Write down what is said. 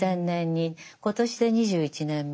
今年で２１年目。